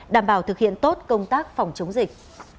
đảm bảo thực hiện tốt công tác phòng chống dịch